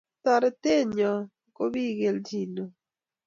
Toretet nyo kopi kelchin neo